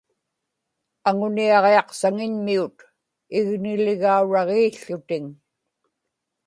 aŋuniaġiaqsaŋiñmiut igniligauraġiił̣ł̣utiŋ